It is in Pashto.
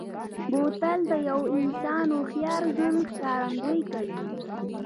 بوتل د یوه انسان هوښیار ژوند ښکارندوي کوي.